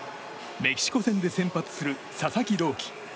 メキシコ戦で先発する佐々木朗希。